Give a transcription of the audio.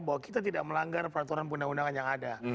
bahwa kita tidak melanggar peraturan undang undangan yang ada